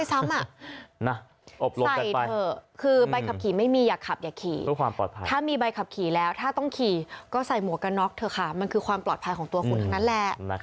ตัวขุนทั้งนั้นแหละนะครับอืมเอ้า